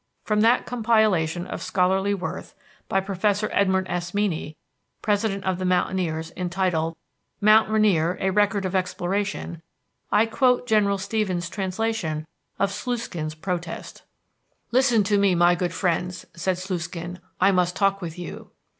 From that compilation of scholarly worth, by Professor Edmond S. Meany, President of the Mountaineers, entitled "Mount Rainier, a Record of Exploration," I quote General Stevens's translation of Sluiskin's protest: "Listen to me, my good friends," said Sluiskin, "I must talk with you."